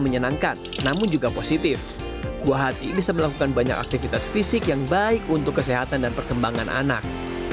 yang baik untuk kesehatan dan perkembangan anak